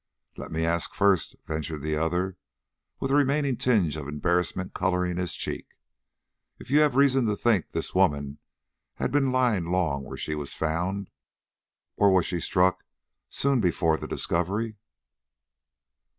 "Let me first ask," ventured the other, with a remaining tinge of embarrassment coloring his cheek, "if you have reason to think this woman had been lying long where she was found, or was she struck soon before the discovery?"